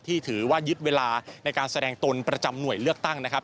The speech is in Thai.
ถือว่ายึดเวลาในการแสดงตนประจำหน่วยเลือกตั้งนะครับ